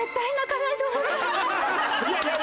いやいや！